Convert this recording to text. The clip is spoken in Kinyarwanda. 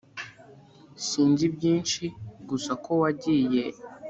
sinzi byinshi gusa ko wagiye